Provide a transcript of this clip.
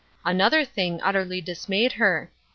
Another thing utterly dismayed her.